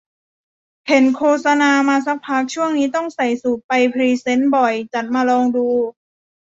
เห็นโฆษณามาสักพัก ช่วงนี้ต้องใส่สูทไปพรีเซนต์บ่อย จัดมาลองดู